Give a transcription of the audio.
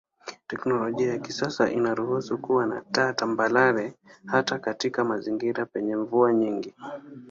Teknolojia ya kisasa inaruhusu kuwa na taa tambarare hata katika mazingira penye mvua nyingi.